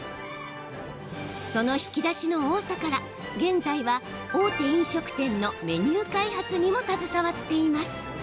その引き出しの多さから現在は大手飲食店のメニュー開発にも携わっています。